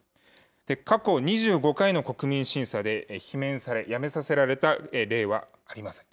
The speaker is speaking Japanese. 過去２５回の国民審査で罷免され、やめさせられた例はありません。